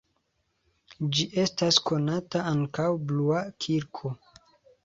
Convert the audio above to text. Ĝi estas konata ankaŭ blua kirko.